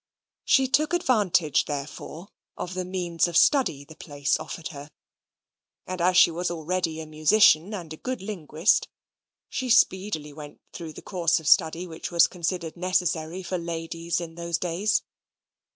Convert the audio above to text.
She took advantage, therefore, of the means of study the place offered her; and as she was already a musician and a good linguist, she speedily went through the little course of study which was considered necessary for ladies in those days.